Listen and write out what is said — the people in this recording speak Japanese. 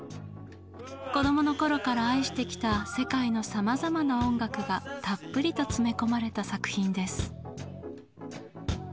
子供の頃から愛してきた世界のさまざまな音楽がたっぷりと詰め込まれた作品です。